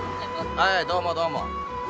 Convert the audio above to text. はいどうもどうも。